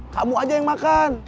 kamu aja yang makan